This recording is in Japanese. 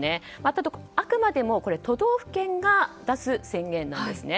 ただ、あくまでも都道府県が出す宣言なんですね。